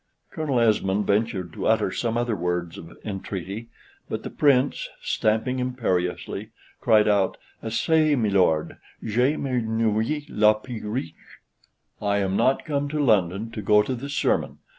Colonel Esmond ventured to utter some other words of entreaty, but the Prince, stamping imperiously, cried out, "Assez, milord: je m'ennuye a la preche; I am not come to London to go to the sermon."